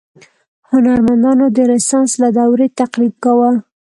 هنرمندانو د رنسانس له دورې تقلید کاوه.